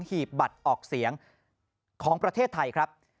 หีบบัตรออกเสียงของประเทศไทยครับ